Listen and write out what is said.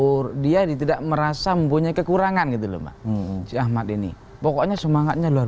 ndor dia ditidak merasam punya kekurangan itu lomba brunch ahmad ini pokoknya semangatnya luar